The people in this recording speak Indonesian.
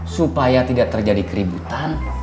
supaya tidak terjadi keributan